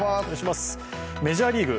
メジャーリーグ。